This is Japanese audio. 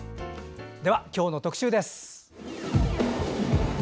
では今日の特集です。